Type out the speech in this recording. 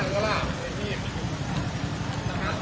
เยี่ยมครับ